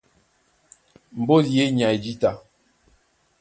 Mbódi í e nyay jǐta.